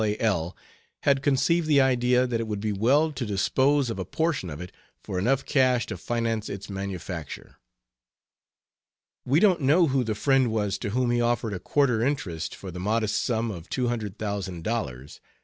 A. L., had conceived the idea that it would be well to dispose of a portion of it for enough cash to finance its manufacture. We don't know who the friend was to whom he offered a quarter interest for the modest sum of two hundred thousand dollars.